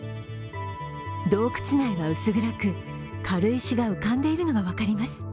洞窟内は薄暗く、軽石が浮かんでいるのが分かります。